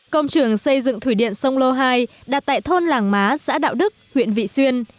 công trường xây dựng thủy điện sông lô hai đặt tại thôn làng má xã đạo đức huyện vị xuyên